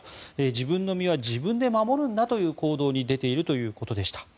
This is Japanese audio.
自分の身は自分で守るんだという行動に出ているということでした。